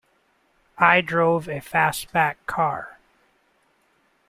I drove a fastback car.